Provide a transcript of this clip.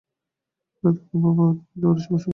কলিকাতার কর্মপ্রবাহে তখন জোয়ার আসিবার সময়।